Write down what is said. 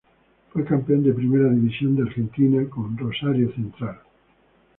Fue campeón de Primera División de Argentina con Rosario Central.